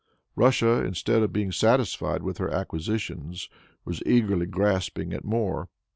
Russia, instead of being satisfied with her acquisitions, was eagerly grasping at more.